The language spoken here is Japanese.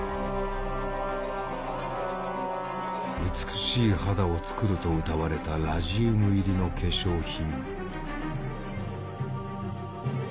美しい肌を作るとうたわれたラジウム入りの化粧品。